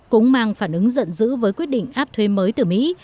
cũng mang phản ứng giận dữ với quyết định áp thuê mới từ mỹ